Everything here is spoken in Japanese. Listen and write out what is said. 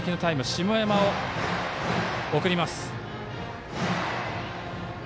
下山を送ります。